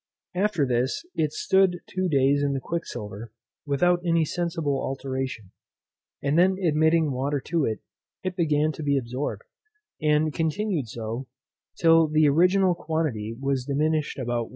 After this, it stood two days in the quicksilver, without any sensible alteration; and then admitting water to it, it began to be absorbed, and continued so, till the original quantity was diminished about 1/6.